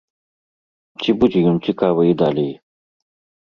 Ці будзе ён цікавы і далей?